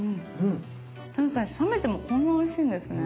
冷めてもこんなおいしいんですね。